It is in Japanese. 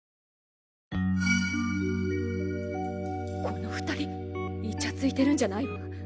この二人イチャついてるんじゃないわ。